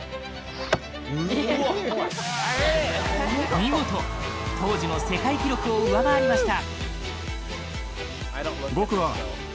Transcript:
見事、当時の世界記録を上回りました。